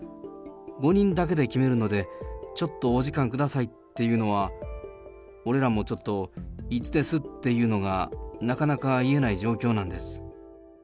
５人だけで決めるので、ちょっとお時間くださいっていうのは、俺らもちょっと、いつですっていうのがなかなか言えない状況なんです。